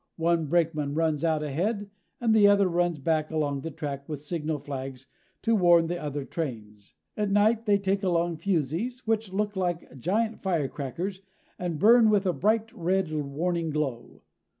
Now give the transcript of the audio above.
One brakeman runs out ahead and the other runs back along the track with signal flags to warn the other trains. At night they take along fusees, which look like giant firecrackers and burn with a bright red warning glow.